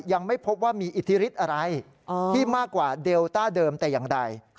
ยังไม่พบว่ามีอิทธิฤทธิ์อะไรที่มากกว่าเดลต้าเดิมแต่อย่างใด